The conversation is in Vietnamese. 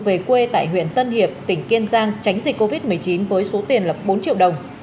về quê tại huyện tân hiệp tỉnh kiên giang tránh dịch covid một mươi chín với số tiền lập bốn triệu đồng